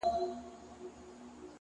کلونه کيږي چي هغه پر دې کوڅې نه راځي!